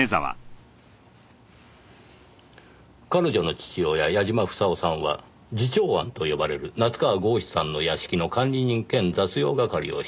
彼女の父親矢嶋房夫さんは慈朝庵と呼ばれる夏河郷士さんの屋敷の管理人兼雑用係をしていました。